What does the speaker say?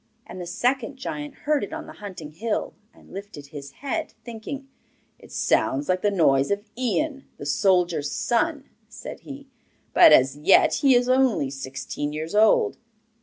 And the second giant heard it on the hunting hill, and lifted his head, thinking 'It sounds like the noise of Ian, the soldier's son,' said he; 'but as yet he is only sixteen years old.